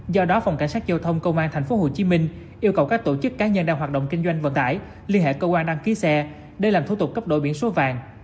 do đó phòng cảnh sát giao thông công an tp hcm yêu cầu các tổ chức cá nhân đang hoạt động kinh doanh vận tải liên hệ cơ quan đăng ký xe để làm thủ tục cấp đổi biển số vàng